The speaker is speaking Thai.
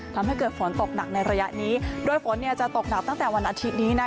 ทำให้เกิดฝนตกหนักในระยะนี้โดยฝนจะตกหนักตั้งแต่วันอาทิตย์นี้